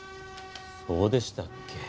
そうでしたっけ？